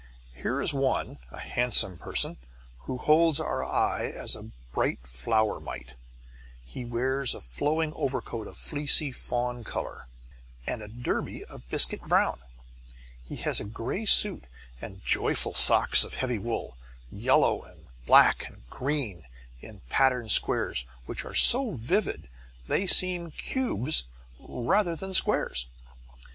Here is one, a handsome person, who holds our eye as a bright flower might. He wears a flowing overcoat of fleecy fawn colour and a derby of biscuit brown. He has a gray suit and joyful socks of heavy wool, yellow and black and green in patterned squares which are so vivid they seem cubes rather than squares.